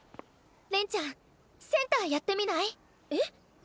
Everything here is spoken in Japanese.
恋ちゃんセンターやってみない？え？